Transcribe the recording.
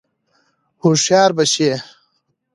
هوښیار به شې !